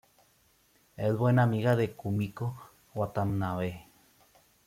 Es buen amiga de Kumiko Watanabe.